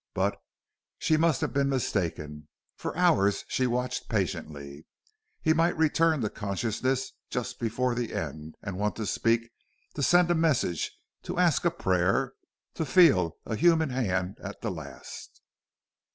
But she must have been mistaken. For hours she watched patiently. He might return to consciousness just before the end, and want to speak, to send a message, to ask a prayer, to feel a human hand at the last.